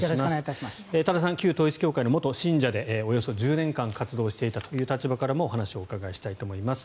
旧統一教会の元信者でおよそ１０年間活動していたという立場からもお話をお伺いしたいと思います。